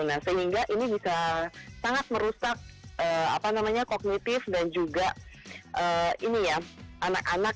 nah sehingga ini bisa sangat merusak kognitif dan juga ini ya anak anak